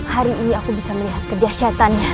hari ini aku bisa melihat kedahsyatannya